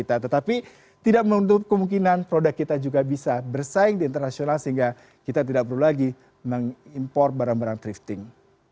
tetapi tidak menuntut kemungkinan produk kita juga bisa bersaing di internasional sehingga kita tidak perlu lagi mengimpor barang barang thrifting